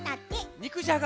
肉じゃが？